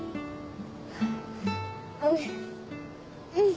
うん。